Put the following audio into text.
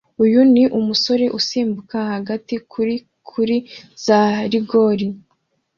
Uyu ni umusore usimbuka hagati kuri kuri za rigore